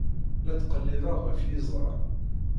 La ttqellibeɣ ɣef yiẓra.